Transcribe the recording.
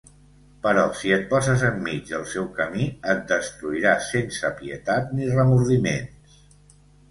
Però si et poses enmig del seu camí, et destruirà sense pietat ni remordiments.